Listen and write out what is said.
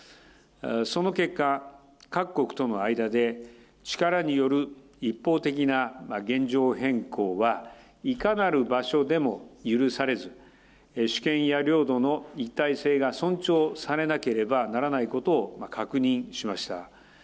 その結果、各国との間で、力による一方的な現状変更はいかなる場所でも許されず、主権や領土の一体性が尊重されなければならないことを確認しました。